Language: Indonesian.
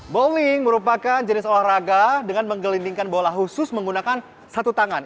bowling merupakan jenis olahraga dengan menggelindingkan bola khusus menggunakan satu tangan